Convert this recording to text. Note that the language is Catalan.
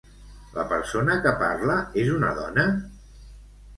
La persona que parla és una dona?